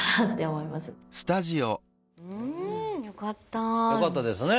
よかったですね。